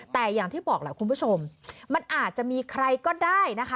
แต่อย่างที่บอกแหละคุณผู้ชมมันอาจจะมีใครก็ได้นะคะ